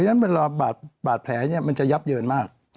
นั่นเวลาบาดแผลมันจะยับเยินมาก